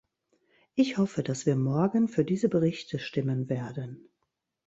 Ich hoffe, dass wir morgen für diese Berichte stimmen werden.